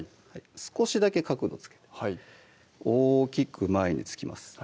少しだけ角度つけて大きく前に突きます